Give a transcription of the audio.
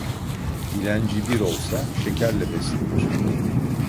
Dilenci bir olsa şekerle beslenir.